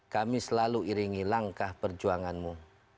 kami selalu iringi langkah perjuanganmu